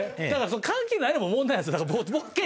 ただ関係ないのも問題なんですよ。